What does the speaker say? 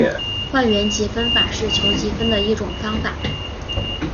换元积分法是求积分的一种方法。